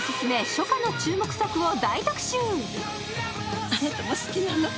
初夏の注目作を大特集。